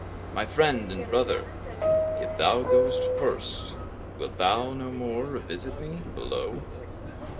My friend and brother! if thou goest first, Wilt thou no more re visit me below?